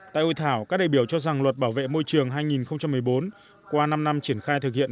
tại hội thảo các đại biểu cho rằng luật bảo vệ môi trường hai nghìn một mươi bốn qua năm năm triển khai thực hiện